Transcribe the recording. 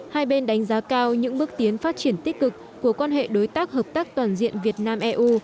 hai bên đánh giá cao những bước tiến phát triển tích cực của quan hệ đối tác hợp tác toàn diện việt nam eu